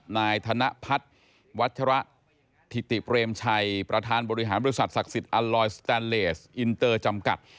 นายธนพัฒน์วัชระถิติเปรมชัยประธานบริหารบริษัทศักดิ์สิทธิอัลลอยสแตนเลสอินเตอร์จำกัด